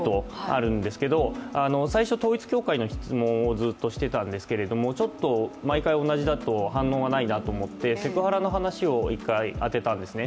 最初、統一教会の質問をずっとしていたんですけれどもちょっと毎回同じだと反応がないなと思ってセクハラの話を１回当てたんですね。